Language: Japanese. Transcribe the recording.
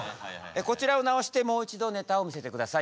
こちらをなおしてもう一度ネタを見せて下さい。